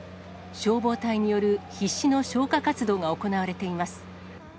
消防隊による必死の消火活動が行われています。